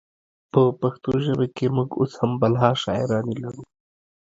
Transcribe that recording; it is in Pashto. په پښتو ژبه کې مونږ اوس هم بلها شاعرانې لرو